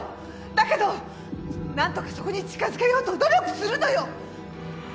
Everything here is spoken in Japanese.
だけどなんとかそこに近づけようと努力するのよ！